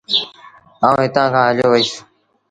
آئوٚݩ هتآݩ کآݩ هليو وهيٚس۔